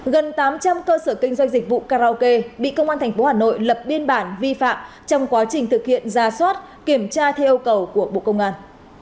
gần tám trăm linh cơ sở kinh doanh dịch vụ karaoke bị công an tp hà nội lập biên bản vi phạm trong quá trình thực hiện ra soát kiểm tra theo yêu cầu của bộ công an